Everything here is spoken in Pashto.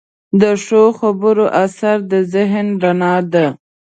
د ښو خبرو اثر د ذهن رڼا ده.